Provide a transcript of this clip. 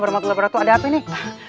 berapa ada apa nih